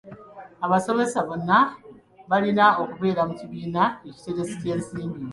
Abasomesa bonna balina okubeera mu kibiina ekiteresi ky'ensimbi.